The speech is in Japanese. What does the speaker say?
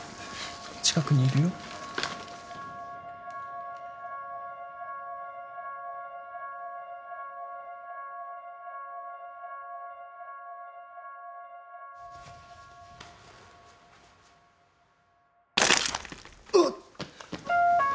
近くにいるよ。うっ！